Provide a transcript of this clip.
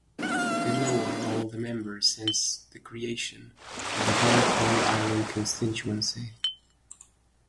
Below are all the members since the creation of the Hong Kong Island constituency.